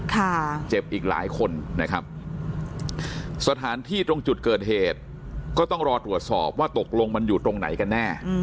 เจ็บอีกหลายคนนะครับสถานที่ตรงจุดเกิดเหตุก็ต้องรอตรวจสอบว่าตกลงมันอยู่ตรงไหนกันแน่